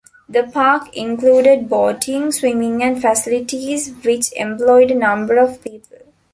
The park included boating, swimming and facilities which employed a number of people.